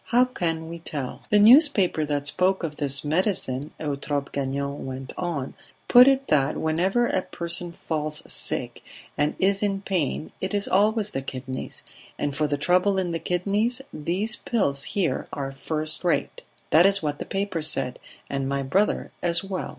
How can we tell ..." "The newspaper that spoke of this medicine," Eutrope Gagnon went on, "put it that whenever a person falls sick and is in pain it is always the kidneys; and for trouble in the kidneys these pills here are first rate. That is what the paper said, and my brother as well."